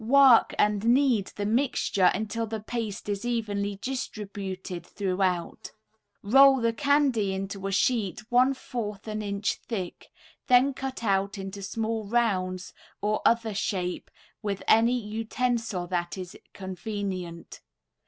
Work and knead the mixture until the paste is evenly distributed throughout. Roll the candy into a sheet one fourth an inch thick, then cut out into small rounds or other shape with any utensil that is convenient.